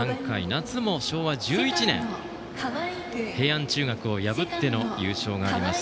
夏も昭和１１年平安中学を破っての優勝があります。